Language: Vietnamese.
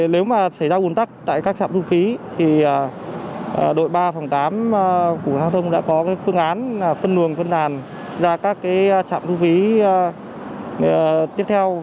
nếu mà xảy ra ủn tắc tại các trạm thu phí thì đội ba phòng tám cục hàng thông đã có phương án phân luồng phân đàn ra các trạm thu phí tiếp theo